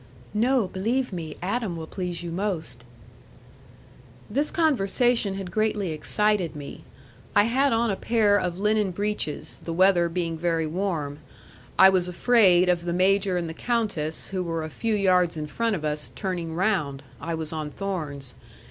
"No; believe me, Adam will please you most." This conversation had greatly excited me. I had on a pair of linen breeches, the weather being very warm.... I was afraid of the major and the countess, who were a few yards in front of us, turning round .... I was on thorns.